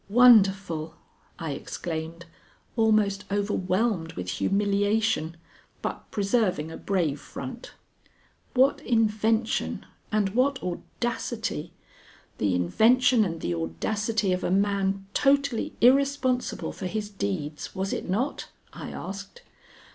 "Wonderful!" I exclaimed, almost overwhelmed with humiliation, but preserving a brave front. "What invention and what audacity! the invention and the audacity of a man totally irresponsible for his deeds, was it not?" I asked.